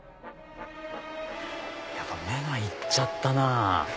やっぱ目が行っちゃったなぁ。